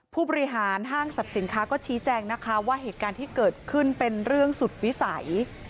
ผู้บริหารห้างสรรพสินค้าก็ชี้แจงนะคะว่าเหตุการณ์ที่เกิดขึ้นเป็นเรื่องสุดวิสัย